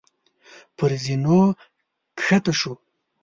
پر زينو کښته شو.